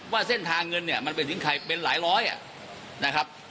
ว่าเส้นทางเงินเนี่ยมันไปถึงใครเป็นหลายร้อยนะครับ